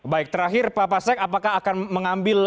baik terakhir pak pasek apakah akan mengambil